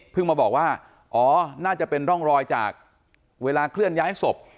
มาบอกว่าอ๋อน่าจะเป็นร่องรอยจากเวลาเคลื่อนย้ายศพ